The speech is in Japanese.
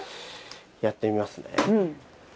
やってみますね。